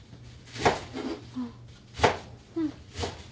あっうん。